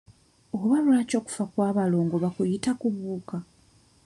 Oba lwaki okufa kw'abalongo bakuyita kubuuka?